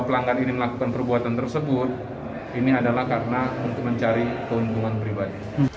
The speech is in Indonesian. pelanggar ini melakukan perbuatan tersebut ini adalah karena untuk mencari keuntungan pribadi